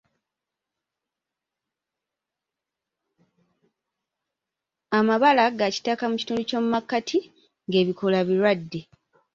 Amabala ga kitaka mu kitundu ky'omu makkati ga bikoola birwadde.